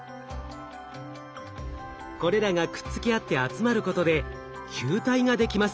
これらがくっつき合って集まることで球体ができます。